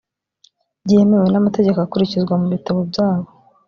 byemewe n‘amategeko akurikizwa mu bitabo byabo